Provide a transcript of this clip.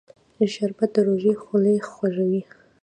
شربت د روژې خولې خوږوي